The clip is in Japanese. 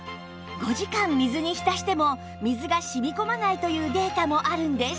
５時間水に浸しても水が染み込まないというデータもあるんです